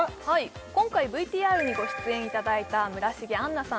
今回ＶＴＲにご出演いただいた村重杏奈さん